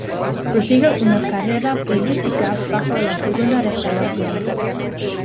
Prosigue una carrera política bajo la Segunda Restauración.